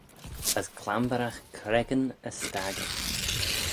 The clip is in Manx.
As clambeyragh creggyn y staggey.